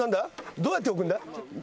どうやって置くんだ？